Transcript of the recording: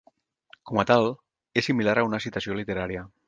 Com a tal, és similar a una citació literària.